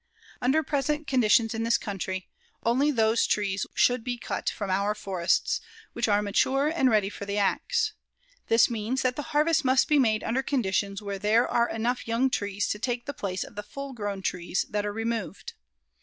Under present conditions in this country, only those trees should be cut from our forests which are mature and ready for the ax. This means that the harvest must be made under conditions where there are enough young trees to take the place of the full grown trees that are removed.